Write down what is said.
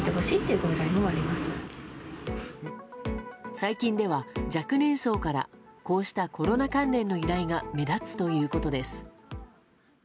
最近では、若年層からこうしたコロナ関連の依頼が目立つということです。